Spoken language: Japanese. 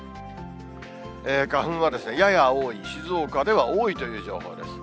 花粉はやや多い、静岡では多いという情報です。